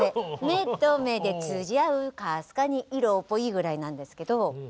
「目と目で通じ合うかすかにん・色っぽい」ぐらいなんですけどハハハ